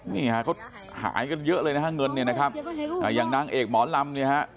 นี่ฮะเขาหายกันเยอะเลยนะฮะเงินเนี่ยนะครับอ่าอย่างนางเอกหมอลำเนี่ยฮะ